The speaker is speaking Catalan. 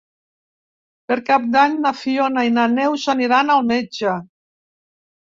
Per Cap d'Any na Fiona i na Neus aniran al metge.